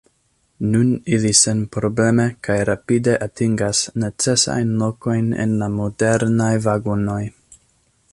Nun ili senprobleme kaj rapide atingas necesajn lokojn en la modernaj vagonoj.